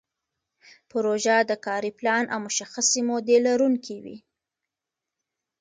پروژه د کاري پلان او مشخصې مودې لرونکې وي.